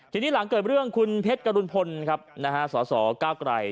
ทีนี้หลังเกิดเรื่องคุณเพศกรุณพลนะครับสศเกล้ากไกล